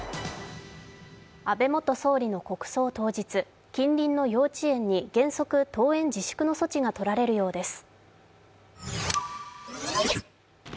安倍元総理の国葬当日、近隣の幼稚園に原則登園自粛の措置がとられるようです。